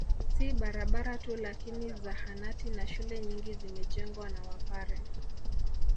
Si barabara tu lakini zahanati na shule nyingi zimejengwa na wapare